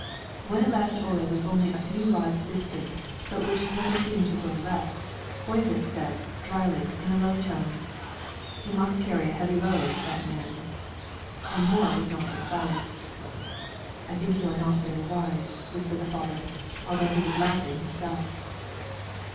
When at last Ole was only a few rods distant, but which seemed never to grow less, Oyvind said, dryly, in a low tone, "He must carry a heavy load, that man," and more was not required. "I think you are not very wise," whispered the father, although he was laughing himself.